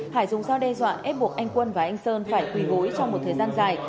hải dùng dao đe dọa ép buộc anh quân và anh sơn phải quỳ gối trong một thời gian dài